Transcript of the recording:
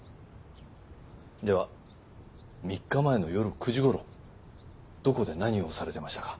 では３日前の夜９時頃どこで何をされていましたか？